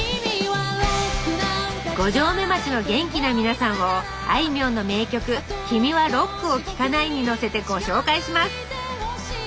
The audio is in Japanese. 五城目町の元気な皆さんをあいみょんの名曲「君はロックを聴かない」にのせてご紹介します！